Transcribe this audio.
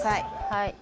はい。